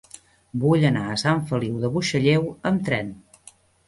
Vull anar a Sant Feliu de Buixalleu amb tren.